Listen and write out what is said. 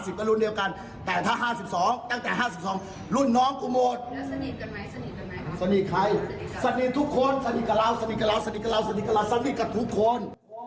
สนิทกับเราสนิทกับเราสนิทกับเราสนิทกับทุกคน